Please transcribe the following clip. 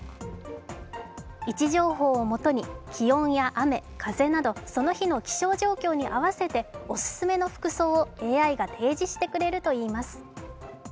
位置情報をもとに気温や雨、風などその日の気象状況に合わせておすすめの服装をＡＩが提示してくれるといいます。